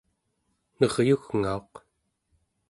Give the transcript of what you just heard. neryugngauq